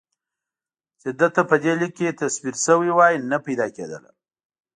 چې ده ته په دې لیک کې تصویر شوې وای نه پیدا کېدله.